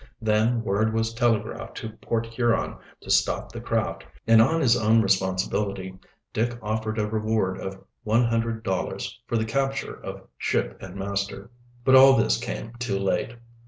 Then word was telegraphed to Port Huron to stop the craft, and on his own responsibility Dick offered a reward of one hundred dollars for the capture of ship and master. But all this came too late.